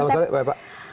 selamat sore pak